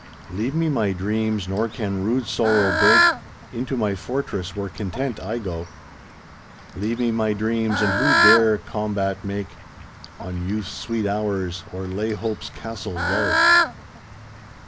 Leave me my dreams, nor can rude sorrow break Into my fortress where content I go. Leave me my dreams, and who dare combat make On Youth's sweet hours, or lay Hope's castle low?